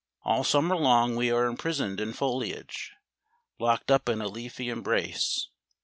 All summer long we are imprisoned in foliage, locked up in a leafy embrace.